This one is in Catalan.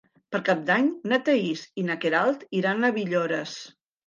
Per Cap d'Any na Thaís i na Queralt iran a Villores.